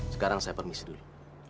sekarang saya permisi dulu